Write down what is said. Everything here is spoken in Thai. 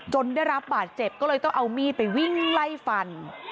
ได้รับบาดเจ็บก็เลยต้องเอามีดไปวิ่งไล่ฟัน